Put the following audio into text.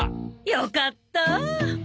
よかった。